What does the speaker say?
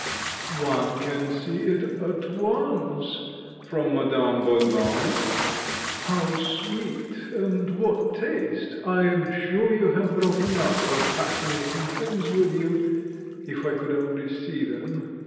"One can see it at once. From Madame Baudran? How sweet, and what taste! I am sure you have brought a number of fascinating things with you. If I could only see them."